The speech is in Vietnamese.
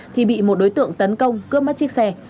thì bị một đối tượng tấn công cướp mất chiếc xe